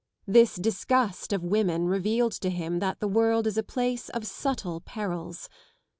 This disgust of women revealed to him that the world is a place of subtle perils.